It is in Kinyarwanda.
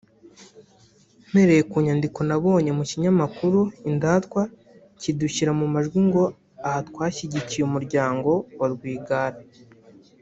Mpereye ku nyandiko nabonye mu kinyamakuru «Indatwa» kidushyira mu majwi ngo aha twashyigikiye umuryango wa Rwigara